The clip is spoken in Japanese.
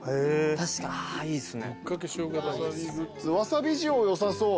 確かに悲しいっすね。